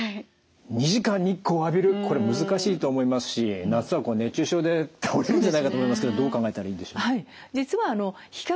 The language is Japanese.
２時間日光を浴びるこれ難しいと思いますし夏は熱中症で倒れるんじゃないかと思いますけどどう考えたらいいんでしょう。